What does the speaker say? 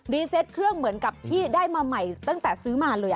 เซตเครื่องเหมือนกับที่ได้มาใหม่ตั้งแต่ซื้อมาเลย